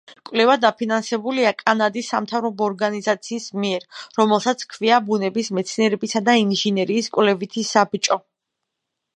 კვლევა დაფინანსებულია კანადის სამთავრობო ორგანიზაციის მიერ, რომელსაც ჰქვია ბუნების მეცნიერებისა და ინჟინერიის კვლევითი საბჭო.